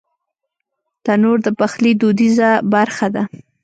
تنور د پخلي دودیزه برخه ده